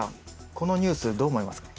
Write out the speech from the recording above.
このニュースどう思いますか？